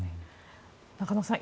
中野さん